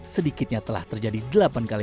sedikitnya telah terjadi delapan kali